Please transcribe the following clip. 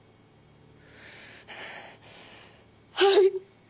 はい！